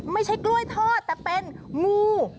ไม่ใช่กล้วยทอดแต่เป็นงู